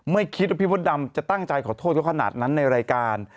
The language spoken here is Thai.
ไม่คิดว่าพี่มดดำจะตั้งใจขอโทษเขาขนาดนั้นในรายการ